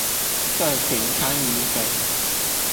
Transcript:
社群參與者